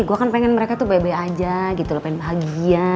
gue kan pengen mereka tuh baik baik aja gitu pengen bahagia